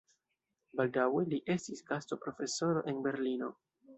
Baldaŭe li estis gastoprofesoro en Berlino.